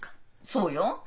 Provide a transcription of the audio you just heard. そうよ。